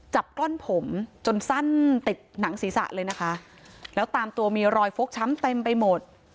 กล้อนผมจนสั้นติดหนังศีรษะเลยนะคะแล้วตามตัวมีรอยฟกช้ำเต็มไปหมด